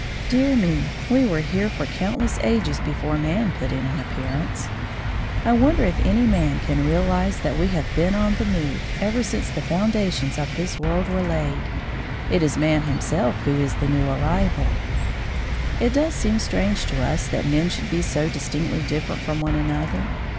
Dear me! We were here for countless ages before man put in an appearance. I wonder if any man can realise that we have been on the move ever since the foundations of this world were laid. It is man himself who is the new arrival. It does seem strange to us that men should be so distinctly different from one another.